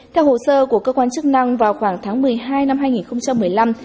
theo hồ sơ của cơ quan chức năng vào khoảng tháng một mươi hai năm hai nghìn một mươi năm